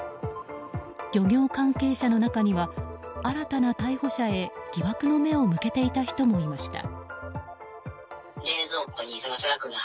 漁業関係者の中には新たな逮捕者へ疑惑の目を向けていた人もいました。